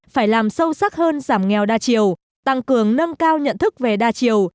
phải làm sâu sắc hơn giảm nghèo đa chiều tăng cường nâng cao nhận thức về đa chiều